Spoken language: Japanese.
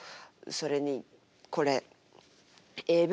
それにこれええ